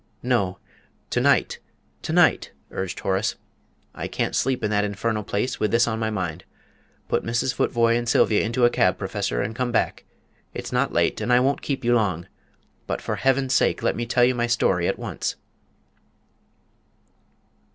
"No to night, to night!" urged Horace. "I can't sleep in that infernal place with this on my mind. Put Mrs. Futvoye and Sylvia into a cab, Professor, and come back. It's not late, and I won't keep you long but for Heaven's sake, let me tell you my story at once."